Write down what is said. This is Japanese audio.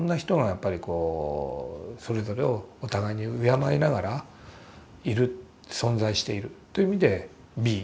やっぱりこうそれぞれをお互いに敬いながらいる存在しているという意味でｂｅ。